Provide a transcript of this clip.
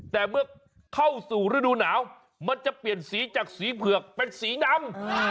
แต่เมื่อเข้าสู่ฤดูหนาวมันจะเปลี่ยนสีจากสีเผือกเป็นสีดำ